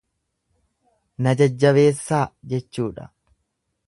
Na jajjabeessaa jechuudha.